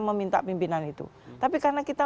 meminta pimpinan itu tapi karena kita